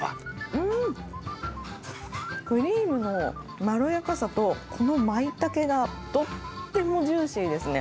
うーん、クリームのまろやかさと、このマイタケがとってもジューシーですね。